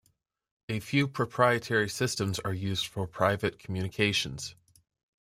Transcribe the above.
A few proprietary systems are used for private communications.